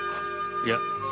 いや。